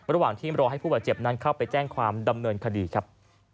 ระหว่างที่รอให้ผู้บาดเจ็บนั้นเข้าไปแจ้งความดำเนินคดีครับ